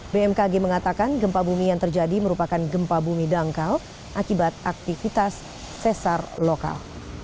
bmkg mengatakan gempa bumi yang terjadi merupakan gempa bumi dangkal akibat aktivitas sesar lokal